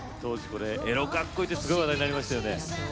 エロかっこいいで話題になりましたね。